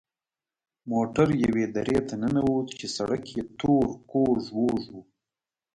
موټر یوې درې ته ننوت چې سړک یې تور کوږ وږ و.